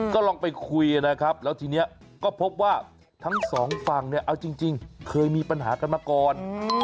ก็ลองไปคุยนะครับแล้วทีนี้ก็พบว่าทั้งสองฝั่งเนี่ยเอาจริงเคยมีปัญหากันมาก่อน